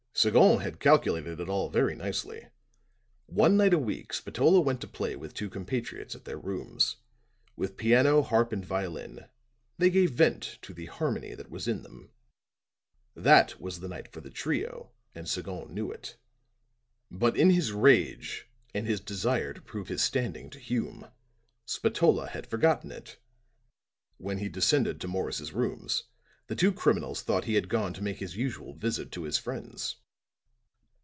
"Sagon had calculated it all very nicely. One night a week Spatola went to play with two compatriots at their rooms; with piano, harp and violin, they gave vent to the harmony that was in them. That was the night for the trio, and Sagon knew it. But In his rage and his desire to prove his standing to Hume, Spatola had forgotten it. When he descended to Morris's rooms, the two criminals thought he had gone to make his usual visit to his friends.